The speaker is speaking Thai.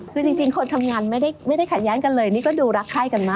คือจริงคนทำงานไม่ได้ขัดแย้งกันเลยนี่ก็ดูรักไข้กันมาก